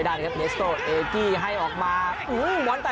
ได้โอกาสส่องที่นี้นะครับ